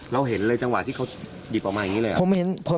เราเห็นเลยจังหวะที่เขาหยิบออกมาอย่างนี้เลย